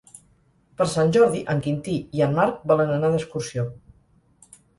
Per Sant Jordi en Quintí i en Marc volen anar d'excursió.